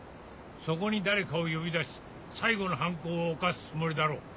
そこに誰かを呼び出し最後の犯行を犯すつもりだろう。